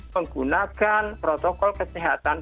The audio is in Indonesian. menggunakan protokol kesehatan